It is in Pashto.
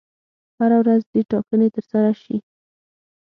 هره ورځ دي ټاکنې ترسره شي.